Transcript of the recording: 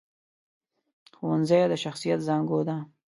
ښوونځی د شخصیت زانګو ده